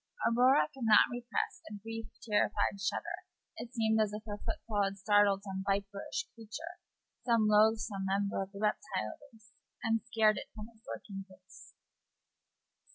Aurora could not repress a brief terrified shudder; it seemed as if her footfall had startled some viperish creature, some loathsome member of the reptile race, and scared it from its lurking place.